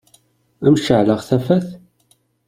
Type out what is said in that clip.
Ad m-ceɛleɣ tafat?